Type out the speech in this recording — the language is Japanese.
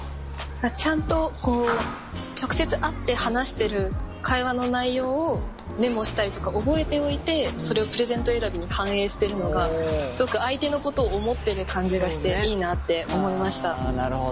ちゃんとこう直接会って話してる会話の内容をメモしたりとか覚えておいてそれをプレゼント選びに反映してるのがすごく相手のことを思ってる感じがしていいなって思いました。